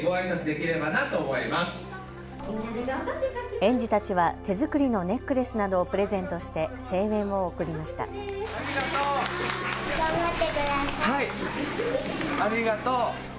園児たちは手作りのネックレスなどをプレゼントして声援を送りました。